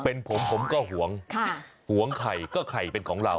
เป็นผมผมก็ห่วงห่วงไข่ก็ไข่เป็นของเรา